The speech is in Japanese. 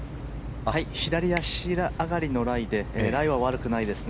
左足上がりのライでライは悪くないですね。